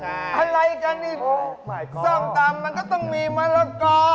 มะลากอก็ไม่มีใช่อะไรจังส้วนสองตำมันก็ต้องมีมะลากอ